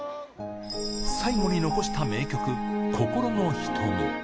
最後に残した名曲、心の瞳。